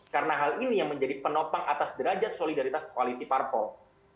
karena hal ini yang menjadi penopang atas derajat solidaritas koalisi parpol